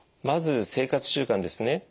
まず生活習慣ですね。